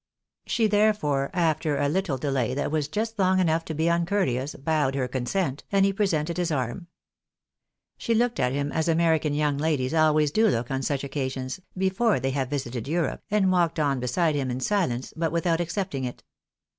She therefore, after a little delay that was just long enough to be uncourteous, bowed her consent, and he presented his arm. She looked at him as American young ladies always do look on such occasions (before they have visited Europe), and walked on beside him in silence, but without accepting it.